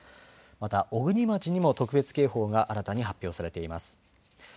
また小国町にも特別警報が新たに発表されています。